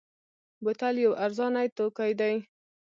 بوتل یو ارزانه توکی دی.